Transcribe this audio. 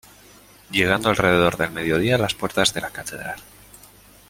Llegando alrededor del mediodía a las puertas de catedral.